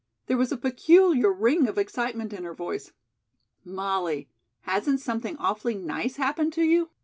There was a peculiar ring of excitement in her voice. "Molly, hasn't something awfully nice happened to you?"